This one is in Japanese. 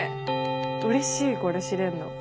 うれしいこれ知れるの。